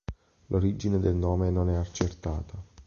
L'origine del nome non è accertata.